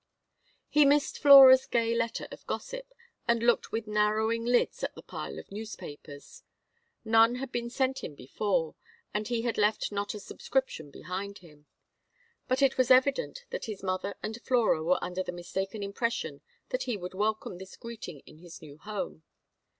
He missed Flora's gay letter of gossip, and looked with narrowing lids at the pile of newspapers. None had been sent him before, and he had left not a subscription behind him; but it was evident that his mother and Flora were under the mistaken impression that he would welcome this greeting in his new home.